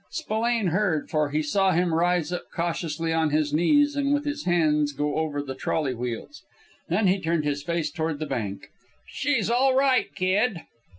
Spillane heard, for he saw him rise up cautiously on his knees, and with his hands go over both trolley wheels. Then he turned his face toward the bank. "She's all right, kid!"